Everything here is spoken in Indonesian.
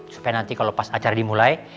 supaya nanti kalau pas acara dimulai